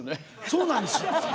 そうなんですよ。